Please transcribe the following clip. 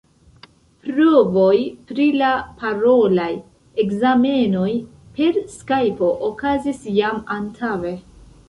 Provoj pri la parolaj ekzamenoj per Skajpo okazis jam antaŭe.